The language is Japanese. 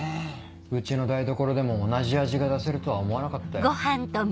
うちの台所でも同じ味が出せるとは思わなかったよ。